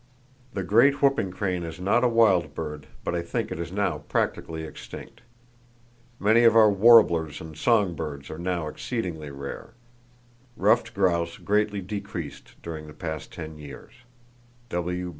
The great whooping crane is not a wild bird, but I think it is now practically extinct. Many of our warblers and song birds are now exceedingly rare. Ruffed grouse greatly decreased during the past 10 years.